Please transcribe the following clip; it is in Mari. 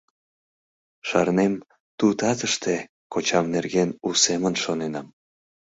Шарнем, ту татыште кочам нерген у семын шоненам.